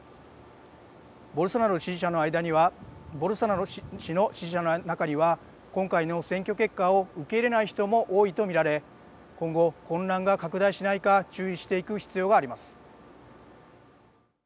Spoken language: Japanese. ボルソナロ氏の支持者の中には今回の選挙結果を受け入れない人も多いと見られ今後、混乱が拡大しないか注視していく必要があります。